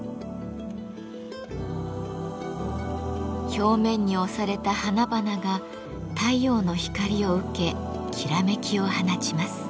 表面に押された花々が太陽の光を受けきらめきを放ちます。